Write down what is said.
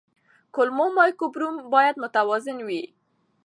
کولمو مایکروبیوم باید متوازن وي.